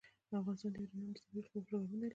افغانستان د یورانیم د ترویج لپاره پروګرامونه لري.